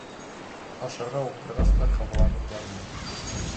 Ашарға ултырғас та, ҡабаланып бармай.